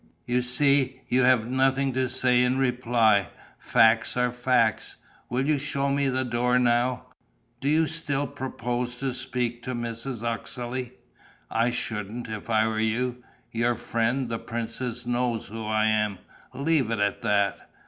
You see, you have nothing to say in reply. Facts are facts.... Will you show me the door now? Do you still propose to speak to Mrs. Uxeley? I shouldn't, if I were you. Your friend, the princess, knows who I am: leave it at that.